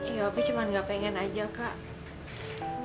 iya tapi cuma gak pengen aja kak